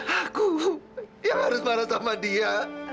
aku yang harus marah sama dia